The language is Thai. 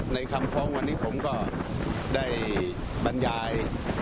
ในคำฟ้องวันนี้ผมก็ได้บรรยาย